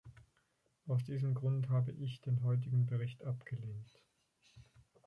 Aus diesem Grund habe ich den heutigen Bericht abgelehnt.